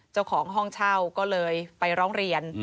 เจ้าของห้องเช่าก็เลยไปร้องเรียน